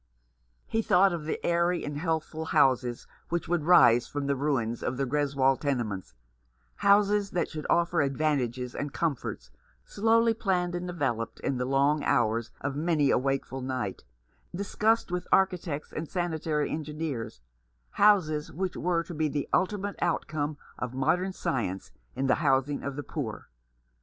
He thought of the airy and healthful 359 Rough Justice. houses which would rise from the ruins of the Greswold tenements — houses which should offer advantages and comforts slowly planned and developed in the long hours of many a wakeful night, discussed with architects and sanitary engineers ; houses which were to be the ultimate outcome of modern science in the housing of the poor.